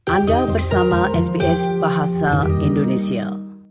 anda bersama sbs bahasa indonesia